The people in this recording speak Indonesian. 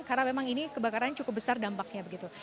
karena memang ini kebakarannya cukup besar dampaknya begitu